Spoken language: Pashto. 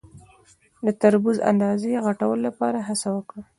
د تربوز د اندازې غټولو لپاره څه وکړم؟